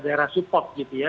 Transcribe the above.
daerah support gitu ya